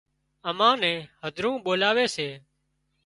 امان نين هڌرون ٻولاوي سي